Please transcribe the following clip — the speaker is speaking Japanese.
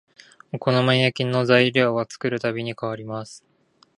お好み焼きの材料は作るたびに変わります